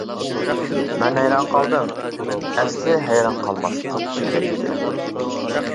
مەن ھەيران قالدىم، ئەسلى ھەيران قالماسلىقىم كېرەك ئىدى.